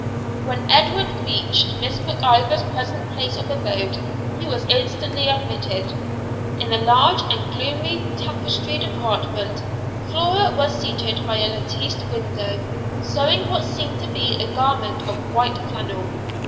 When Edward reached Miss Mac Ivor's present place of abode he was instantly admitted. In a large and gloomy tapestried apartment Flora was seated by a latticed window, sewing what seemed to be a garment of white flannel.